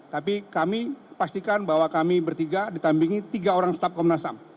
tapi kami pastikan bahwa kami bertiga ditampingi tiga orang staf komnas ham